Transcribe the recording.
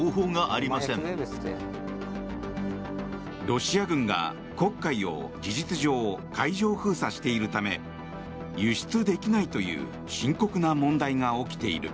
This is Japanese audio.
ロシア軍が黒海を事実上、海上封鎖しているため輸出できないという深刻な問題が起きている。